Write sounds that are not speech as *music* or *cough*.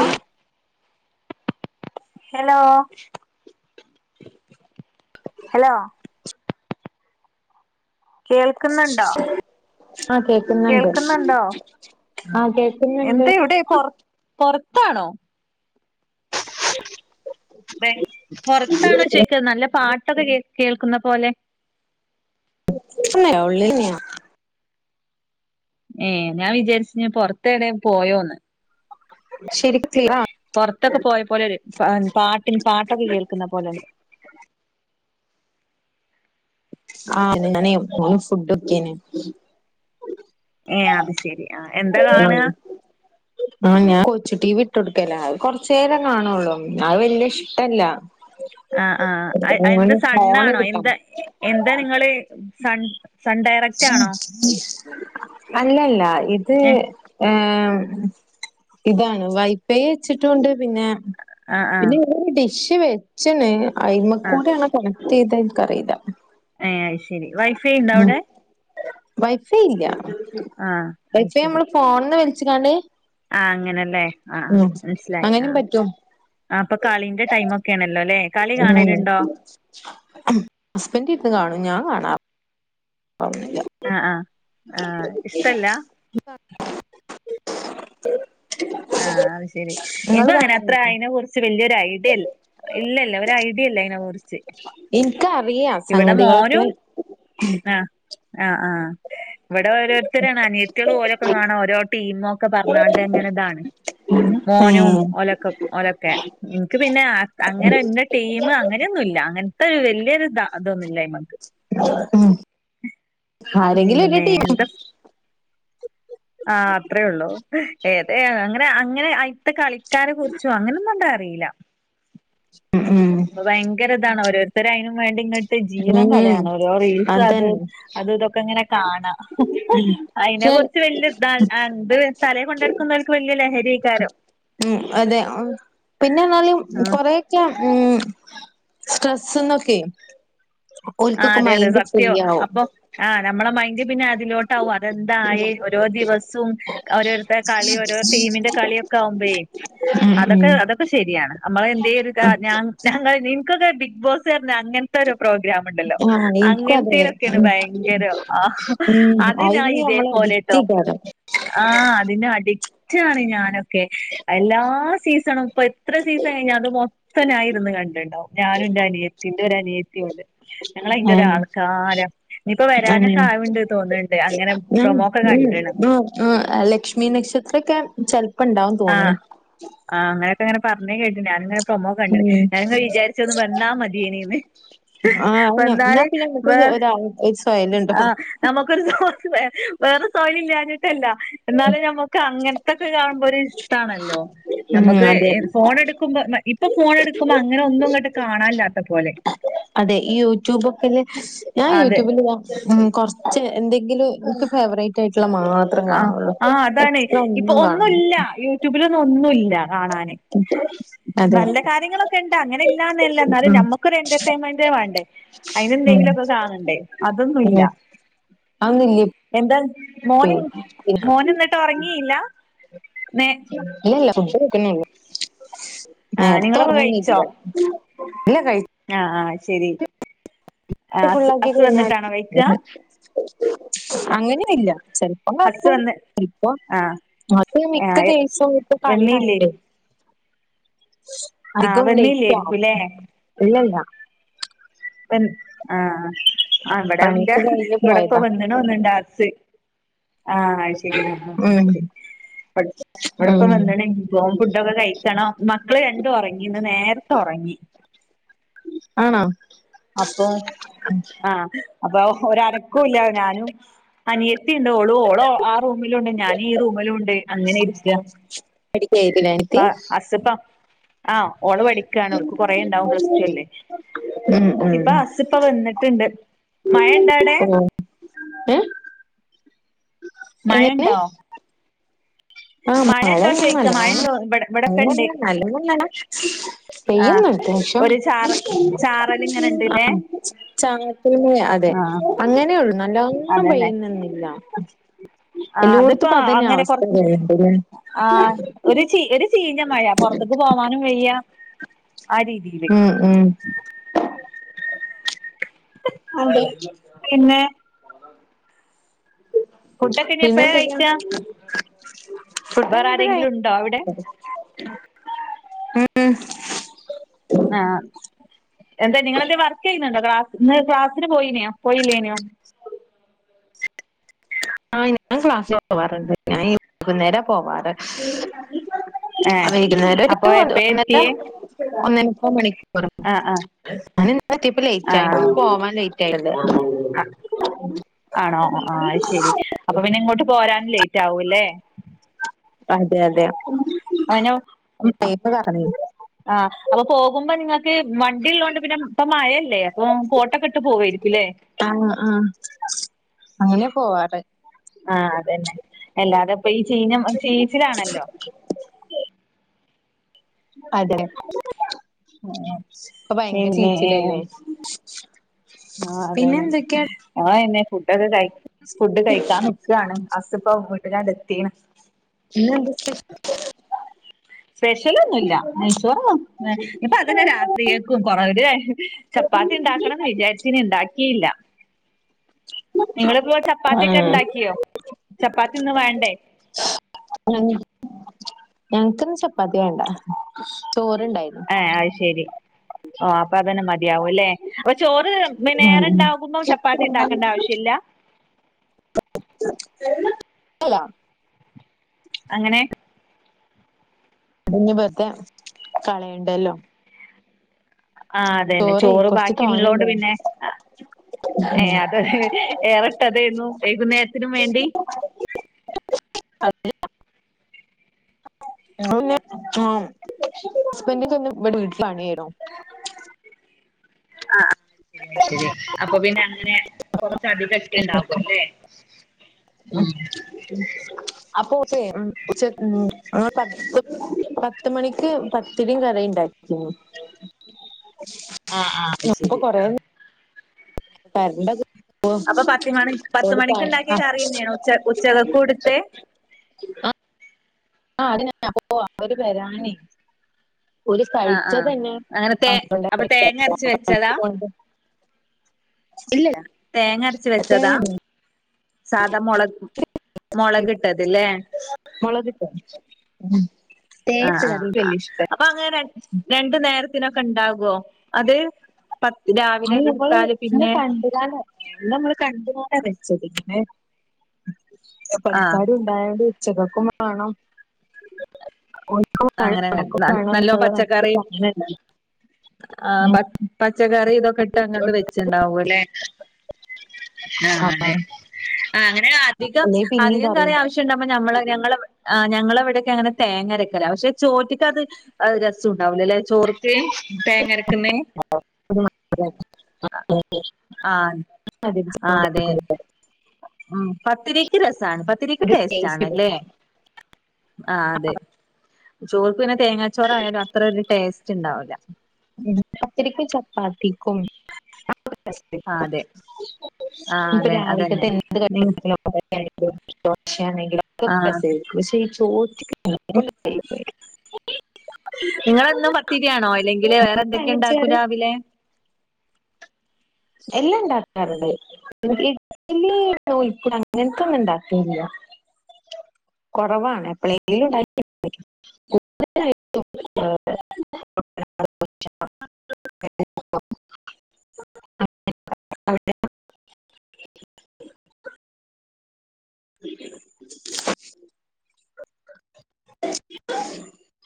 ആഹ് hello hello കേൾക്കുന്നുണ്ടോ ആഹ് കേക്കുന്നുണ്ട് കേൾക്കുന്നുണ്ടോ ആഹ് കേ എന്താ ഇവിടെ പൊറ പൊറത്താണോ പുൊറത്താണോ ചോക്കത് നല്ല പാട്ട് പെട്ടെന്ന് കേൾക്കുന്ന പോലെ അല്ല ഉള്ളരിയ ഏ ഞാൻ വിചാരിച്ച പൊറത്തെടെ പോയോന്ന് ശരി പുറത്തൊക്കെ പോയ പോലെ ഒരു പാട്ടി പാട്ടൊക്കെ കേൾക്കുന്ന പോലെ ഉണ്ട്. ആഹ് ഇങ്ങനെ ണ് ഫുഡക്കേനി ഏ അത് ശരി. ആഹ് ആ ഞാൻ കൊച്ചു ടി വിട്ടൊടുക്കല അ കൊറച് നേരം കാണുള്ളൂ അത് വല്യ ഇഷ്ടല്ല. ആ ആ ഹ്എന്താ ഓന് ഫോണ് സണ്ണാണോ കിട്ടണം എന്താ എന്താ നിങ്ങള് സൺ സൺ ഡയറക്റ്റാണോ? അല്ലല്ല ഇത് ഏ ഇത് ഏമ് ഇതാണ് വൈപെയ് വെച്ചിട്ടുണ്ട് പിന്നെ ആ ആ പിന്നെ ഡിഷ് വെച്ചണ് ആ അയ്മക്കൂടെ ആണ് കറക്റ്റ് ഏത ഇന്ക്ക് അറിയില്ല. ഏ അയ് ശെരി വൈഫൈ ഉണ്ടോ അവിടെ വൈഫൈ ഇല്ല ആ വൈഫൈ അയ്ശരി നമ്മള് ഫോണന്ന് വിളിച്ചിക്കാണ്ടേ ആഹ് അങ്ങനല്ലേ ആഹ് മനസ്സിലായി അങ്ങനിം ആഹ് പറ്റും ആ ഇപ്പൊ കളിന്റെ ടൈം ഒക്കെ ആണല്ലോല്ലേ. ഉംഹസ്ബൻഡ ഇരിന്ന് കാണും ഞാൻ കാണാറില്ല. *inaudible* അ അ ആ ഇഷ്ടല്ല. *inaudible* ആഹ് അത് ശെരി നിങ്ങള് എനിക്കും അങ്ങനെ അത്ര കാണാറുണ്ടോ അയിതിനെ കുറിച്ച് വലിയൊരായി ഇല്ല ഇല്ല ഒരു ഐഡിയ ഇല്ല അതിനെ കുറിച്ച്. ഇന്ക്കറിയാ ഇവിടെ സംഗതികളൊക്കെ മോനും ആഹ് ആഹ് ആഹ് ഇവിടെ ഓരോരുത്തരാണ് അനിയത്തി ഓലെക്കെ കാണാ ഓരോ ടീമോക്കെ പറഞ്ഞാണ്ട്ങ്ങനെതാണ്. മോനും ഏഹ് ഒലക്കും ഓലക്കെ ൻക്ക് പിന്നെ അ അങ്ങനെ ഇന്ന ടീമ് അങ്ങനെയൊന്നുല്ല അങ്ങനത്തെ ഒരു വല്ല്യായൊരു താ അതൊന്നും ല്ലായ്മക്ക് ഉം ആരെങ്കിലും ഒരു നിന്നെ ടീം എന്താ ആഹ് അത്രേള്ളൂ ഏതെ അങ്ങനെ അങ്ങനെ അയിത്തെ കളിക്കാരെ കുറിച്ചും അങ്ങനൊന്നുംഅറിയില്ല. ഉം ഉം ഭയങ്കര ഇതാണ് ഓരോരുത്തരതിനും വേണ്ടി ഇങ്ങ് ത് ജീവൻ ഉം ഉം കളയാണ് ഓരോ റീൽസ് അത് അതന്നെ അത് തൊക്കെ ങ്ങനെ കാണാഹ് ഹ് അയിനെ പക്ഷെ കുറിച്ച് വല് എന്ത് തലേ കൊണ്ടടുക്കുന്ന ർക്ക് വലിയ ലഹരികാരം. ഉം അതെ പിന്നെ എന്നാലും ആ കൊറെ *unintelligible* ഉ സ്ട്രെസ്ന്നൊക്കെയ ആഹ് ഓല്ക്കൊക്കെ അതെ അതെ മൈൻഡ് സത്യവാ ഫ്രീയാവും അപ്പൊ ആഹ് നമ്മളെ മൈൻഡ് പിന്നെ അതിലോട്ടാവും അതെന്തായെ ഓരോ ദിവസും ഓരോരുത്തര കളി ഓരോ ടീമിന്റെ കളിയൊക്കെ ആകുമ്പേ ഉം ഉം ശരിയാണ്. നമ്മള എന്തെങ്കിലൊക്കെ കാരണം നിക്കൊക്കെ ബിഗ് ബോസ് പറഞ്ഞ അങ്ങനത്തെ ഒരു പ്രോഗ്രാം ല്ല ഉം ആഹ് എനിക്കും അതെ അങ്ങനത്തലൊക്കെയാണ് ഉം ഭയങ്കര ആ ഉം ഹ്അത് ഞാ അയില് നമ്മള് അഡിക്റ്റ് ഇതേപോലെട്ടോ ആയിക്കാരം ആഹ് അതിനഡിക്റ്റാണ് ഞാനൊക്കെ എല്ലാ സീസണും ഇപ്പ എത്ര സീസണ് കഴിഞ്ഞാ അത് മൊത്തം ഞാന് ഇരുന്ന് കണ്ട്ണ്ടാവും ഞാനും ഇന്റെ അനിയത്തി ഇന്റോര് അനിയത്തി ഉണ്ട് ഞങ്ങൾ അയിന്റെ ഏഹ് ഒരാൾക്കാരം ഇനിയിപ്പോ വരാനൊക്കെ അതന്നെ ആവുണ്ട് തോന്നണ്ട് അങ്ങനെ പ്രെമോ ഒക്കെ കണ്ടിണം അഹ് അഹ് ലക്ഷ്മി നക്ഷത്രൊക്കെ ചെലപ്പ ഇണ്ടാവുന്ന് ആഹ് തോന്നുണ് ആഹ് അങ്ങനെ അങ്ങനെ പറഞ്ഞേ കേട്ട് ഞാനിങ്ങനെ പ്രൊമോ കണ്ട് ഉം ഞാനിങ്ങനെ വിചാരിചൊ ന്ന് വന്നാ മതിയേനീന്ന് ആഹ് ഞാ വന്നാല് പിന്നെ വേ ഇങ്ങട്ട് ഒത്സ ആല ഉണ്ടോ ആഹ് നമുക്കൊരു *inaudible* ഹ് ഹ് വേറെ തൊഴിൽ ഇല്ലാഞ്ഞിട്ടല്ല എന്നാലും നമ്മക്ക് അങ്ങനത്തൊക്കെ കാണുമ്പോ ഒരു ഇഷ്ടമണല്ലോ. ഉം നമുക്ക് അതെ ഫോൺ എടുക്കുമ്പോ ഇപ്പൊ ഫോൺ എടുക്കുമ്പോ അങ്ങനെ ഒന്നും ഇങ്ങോട്ട് കാണാനില്ലാത്ത പോലെ അതെ ഈ യൂട്യൂബ് ഒക്കെ ഞാൻ അതെ യൂട്യൂബില് ഉ കുറച്ച് എന്തെങ്കിലും എനിക്ക് ഫേവറേറ്റ് ആയിട്ടുള്ള മാ ആ ആഹ് അതാണ് ഇപ്പൊ കാണൂല ഒന്നുല്ല. യൂട്യൂബിലൊന്നും ഒന്നുല്ല കാണാന്. അതെ നല്ല കാര്യങ്ങളൊക്കെ ഉണ്ട് അങ്ങനെ ഇല്ലാന്നല്ല എന്നാലും ഉം നമ്മക്കൊരു എന്റർടൈൻമെന്റ് വേണ്ടേ ഉം അതിനെന്തെങ്കിലുംക്കെ കാണണ്ടേ അതൊന്നുല്ല. ഉം അതൊന്നുല്ലേ എന്താ ഇപ്പേ മോണിംഗ് മോ ഓനെന്നിട്ട് ഒറങ്ങിയില്ല മേ ഇല്ല ഇല്ല ഫുഡ് കഴിക്കണേള്ളൂ ആഹ് നേരത്തെ നിങ്ങളൊക്കെ ഓർങ്ങൊന്നില്ല. കഴിച്ചോ ഇല്ല കഴി ആഹ് ആഹ് അത് ശരി വയറ് അസ് ഫുള്ളാക്കി അസ് കഴിഞ്ഞാല് വന്നിട്ടാണോ കഴിക്കാ *unintelligible* അങ്ങനിം ഇല്ല ചെല് അസ് വന്ന് ആഹ് *unintelligible* മിക്ക ആഹ് ദിവസവും ഇപ്പ കളി വെന്നീല്ലേ കാണണ്ടേ *inaudible* ആഹ് അധികം ലൈറ്റാവും വെന്നീല്ലേര്ക്കുംല്ലേ ഇല്ലല്ല. വൻ ആഹ് അവടെന്റെ പണിയൊക്കെ കഴിഞ്ഞ് ഇവിടെപ്പം പോയതാ വന്ന്ണോന്ന്ണ്ട് ഹസ്സ്‌ ആഹ് ശരി ഉം ശരി ഇവിടെപ്പ ഉം നിന്നണെങ്കി *unintelligible* ഫുഡൊക്കെ കഴിക്കണം മക്കള് രണ്ടും ഉറങ്ങിന്ന് ഇന്ന് നേരത്തെ ഉറങ്ങി. ആണോ അപ്പൊ ആഹ് അപ്പൊ ഒരനക്കും ഇല്ല ഞാനും അനിയത്തി ഉണ്ടോളു ഓളോ റൂമിലുണ്ട് ഞാനീ റൂമിലുണ്ട് അങ്ങനെ ഇരിക്കാ പഠിക്കായിരുന്നില്ലേ *inaudible* അനിയത്തി പ്പ ആ ഓള് പഠിക്കയാണ് അവക്ക് കൊറേ ഉണ്ടാവും പ്ലസ് ടു അല്ലേ ഉം ഉം ഇപ്പ ഹസ്പ്പ വന്നിട്ട്ണ്ട് മഴ ഇണ്ടാടെ ഏ മഴണ്ടോ? ആഹ് മഴ ചോയിക്ക മഴ ഉണ്ടോ ഇവിടെ ഇവിടൊക്കെ ഉണ്ട് നല്ലോണംആ മഴ *unintelligible* ആഹ് പെയ്യുന്നുണ്ട് ഒരു ചാറ ചാറൽ ഇങ്ങനെ അത്യാവശ്യം ഇണ്ട്ല്ലേ ആഹ് പിനെ അതെ ആഹ് അങ്ങനെയൊള്ളു നല്ലോണം പെയ്യുന്നുന്നില്ല. ആ അതിപ്പോ അങ്ങനെ കൊറച്ച്ഹ് തോന്നുന്നുണ്ട് ല്ലേ ആ ഒരു ചീ ഒരു ചീഞ്ഞ മഴ പുറത്തേക്ക് പോവാനും വെയ്യ ആ രീതി ഉം ഉം അതെ പിന്നെ ഫുഡൊക്കെ ഇനി എപ്പഴാ പിന്നെന്തൊക്കെയാണ് കഴിക്കാ ഫുഡ് വേറെ നിട്ട് ആരെങ്കിലും ഉണ്ടോ അവിടെ *inaudible* ആഹ് എന്താ നിങ്ങളെന്ത്‌ വർക്ക് ചെയ്യുന്നുണ്ടോ ക്ലാസ് ഇന്ന് ക്ലാസ്സിന് പോയിനോ പോയില്ലേനോ ആഹ് ഞാൻ ക്ലാസ്സിന് പോവാറ്ണ്ട് ഞാൻ വൈകുന്നേര പോവാറ് ഏ വൈകുന്നേരം അപ്പൊ ഒരു എപ്പഴാ ഒന്നരം എത്തിയേ ഒന്ന മുക്ക മണിക്കൂർ അ അ *inaudible* ഞാൻ ഇന്ന് എത്തിയപ്പോ ലേറ്റ് ആയി ഇന്ന് പോവാൻ ലേറ്റ് ആയില്ലേ അഹ്ആണോ? ആഹ് ശെരി. അപ്പൊ പിന്നെ ഇങ്ങോട്ട് പോരാനും ലേറ്റ് ആകുല്ലേ? അതെ അതെ അയ്നോ ടൈമ് പറഞ്ഞേ ആഹ്അപ്പൊ പോകുമ്പോ നിങ്ങൾക്ക് വണ്ടി ഉള്ളൊണ്ട് പിന്നെ ഇപ്പ മഴല്ലേ അപ്പൊ കോട്ടൊക്കെ ഇട്ട് പോവയിരിക്കും. ഇല്ലേ ആഹ് ആഹ് അങ്ങനെ പോവാറ്. ആഹ് അതന്നെ അല്ലാതെപ്പാ ഈ ചീന ചേച്ചിലാണല്ലോ അതെ ഇപ്പൊ ഭയങ്കര പിന്നെ ചീച്ചലല്ലേ ആഹ് അതന്നെ ഫുഡൊക്കെ കഴ ഫുഡ് കഴിക്കൻ നി സാണ് അസ്പ്പ വീട്ടിലാണ്ട് എത്തിണ്. പിന്നെന്തക്കെ? സ്പെഷ്യല് ഒന്നുല്ല നെയ്ച്ചോറാ ഇപ്പൊ അതന്നെ രാത്രിലെക്കും കൊറവ ഹ്.. ചപ്പാത്തി ഉണ്ടാക്കണംന്ന് വിചാരിച്ചിന് ണ്ടാക്കിയില്ല നിങ്ങളിപ്പോ ആഹ് ചപ്പാത്ത്യൊക്കെണ്ടാക്യോ? ചപ്പാത്തിന്ന് വേണ്ടേ? *unintelligible* ഞങ്ങക്കിന്ന് ചപ്പാത്തി വേണ്ട ചോറ്ണ്ടായിരുന്നു ഏ അയ്യ് ശെരി ഓ അപ്പൊ അതന്നെ മതിയാവുലേ ചോറ് പിന്നേറെണ്ടാകുമ്പം ചപ്പാത്തി ഉണ്ടാക്കണ്ട ആവശ്യല്ല *inaudible* അല്ല അങ്ങനെ ത് ഞ്ഞി വെറുതെ കളയണ്ടല്ലോ ആ അതെന്നെ ചോറേ ചോറ് കൊറച്ച് ബാക്കി ഉള്ളോണ്ട് തോനെണ്ട് പിന്നെ ഏ അത ഏറട്ടെതേർന്നു ഏകുന്നേരത്തിനും വേണ്ടി അതെ *unintelligible* ആഹ ശരിയ ശരി അപ്പൊ പിന്നെ അങ്ങനെ കൊറച്ച് അധികട്ട്ണ്ടാവും അല്ലെ അപ്പൊ ഓക്കേ ഉച്ചക്ക് അവനോട് പറഞ്ഞു പത്ത് മണിക്ക് പത്തിരിം കറീണ്ടാകീന്നു. ആആഹ് അത് ശരി ആഹ് തരണ്ടത് അപ്പൊ പത്ത് മണി പത്ത് മണിക്ക് *unintelligible* ഉണ്ടാക്കിയ കറി തന്നെയാണ് ഉച്ച ഉച്ചകക്കും എടുത്തെ ആഹ് *inaudible* ഓല് ആഹ് ആഹ് കഴിചതന്നെ അങ്ങനെ തേ അപ്പൊ തേങ്ങ അരച്ച് വെച്ചതാ *inaudible* ഇല്ല്യ തേങ്ങരച്ച് വെച്ചതാ സാദാ മുളക് മുളക് ഇട്ടത് ല്ലേ ആഹ് ആഹ് ആഹ് *unintelligible* അപ്പൊ അങ്ങനെ രണ്ടു നേരത്തിനൊക്കെ ഉണ്ടാകുവോ അത് പത്ത് രാവിലെ അത് എടുത്താല് പിന്നെ ന്ന് നമ്മള് കണ്ടുങ്ങൊണ്ട വെച്ചത് പിന്നെ ആഹ് പണിക്കാരും രാവിലെ ഉച്ചകക്കും മെണം അങ്ങനെ നല്ലോ പച്ചക്കറിയും *unintelligible* ആഹ് പ പച്ചക്കറി ഇതൊക്കട്ട് അങ്ങട്ട് വെച്ചിണ്ടാവൊല്ലേ? ആഹ് അതെ. ആഹ അങ്ങനെ അധികം അല്ലെ പിന്നെയും അധികം കറി ആവശ്യണ്ടാകുമ്പോ ഞമ്മ ഞങ്ങളെ ഞങ്ങളെ ഇവിടയൊക്കെ അങ്ങനെ തേങ്ങരക്ക പക്ഷെ ചോറ്റിട്ട് അത് രസുണ്ടാവൂലലേ ചോർക്ക് തേങ്ങരക്കുന്നെ *unintelligible* ആഹ് അതെ *unintelligible* ആഹ് പത്തിരിക്ക് രസാണ് പത്തിരിക്ക് ഒരു ടേസ്റ്റ് കിട്ടും ആണല്ലേ ആഹ അതെ ചോറ്ക്ക് പിന്നെ തേങ്ങാച്ചോറായാലും അത്ര ഒരു ടേസ്റ്റ് ഉണ്ടാവൂല്ല ഉം പത്തിരിക്കും ചപ്പാത്തിക്കും ആഹ് അതെ ആഹ് അതെ അതന്നെ നി ആഹ് *unintelligible* *unintelligible* നിങ്ങളെന്നും പത്തിരിയാണോ അല്ലെങ്കില് വേറെ എന്തൊക്കെ ഭയങ്കര ഉണ്ടാക്കും രാവിലെ എല്ലാ ണ്ടാക്കാറുണ്ട് ഇഡലി *inaudible* അങ്ങനത്തൊന്നും ഉണ്ടാക്കില്ല കൊറവാണ് എപ്പളേ ലുംണ്ടാക്കി കു *inaudible* *inaudible*